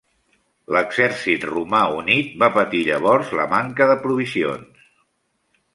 L'exèrcit romà unit va patir llavors la manca de provisions.